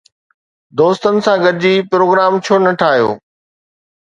دوستن سان گڏجي پروگرام ڇو نه ٺاهيو؟